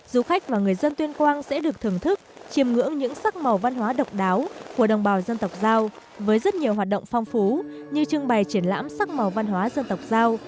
du khách và người dân tuyên quang sẽ được thưởng thức chiêm ngưỡng những sắc màu văn hóa độc đáo của đồng bào dân tộc giao với rất nhiều hoạt động phong phú như trưng bày triển lãm sắc màu văn hóa dân tộc giao